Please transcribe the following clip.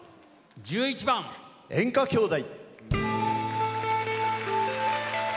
１１番「演歌兄弟」。